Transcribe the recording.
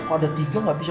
kalau ada tiga nggak bisa